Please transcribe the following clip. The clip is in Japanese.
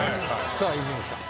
さぁ伊集院さん。